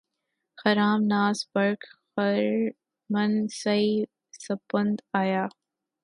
خرام ناز برق خرمن سعی سپند آیا